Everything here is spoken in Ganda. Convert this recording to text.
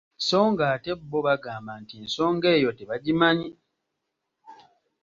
Sso ng’ate bo bagamba nti ensonga eyo tebagimanyi.